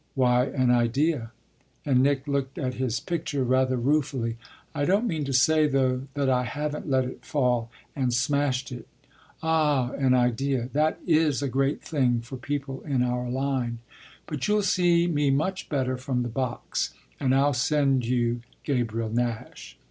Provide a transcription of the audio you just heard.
"Why an idea." And Nick looked at his picture rather ruefully. "I don't mean to say though that I haven't let it fall and smashed it." "Ah an idea that is a great thing for people in our line. But you'll see me much better from the box and I'll send you Gabriel Nash."